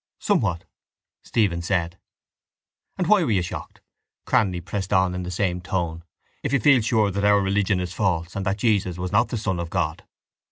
—Somewhat, Stephen said. —And why were you shocked, Cranly pressed on in the same tone, if you feel sure that our religion is false and that Jesus was not the son of God?